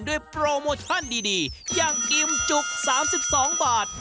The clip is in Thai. โปรโมชั่นดีอย่างกิมจุก๓๒บาท